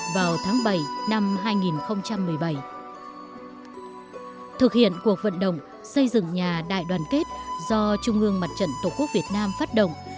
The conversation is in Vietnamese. vào tháng bảy năm hai nghìn một mươi bảy thực hiện cuộc vận động xây dựng nhà đại đoàn kết do trung ương mặt trận tổ quốc việt nam phát động